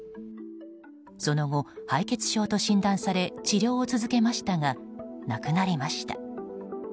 その後、敗血症と診断され治療を続けましたが亡くなりました。